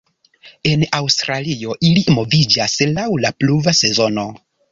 En Aŭstralio ili moviĝas laŭ la pluva sezono.